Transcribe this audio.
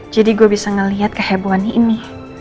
jadi gue bisa ngeliat kehebohan ini